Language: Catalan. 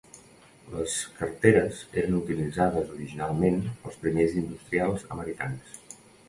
Les carteres eren utilitzades originalment pels primers industrials americans.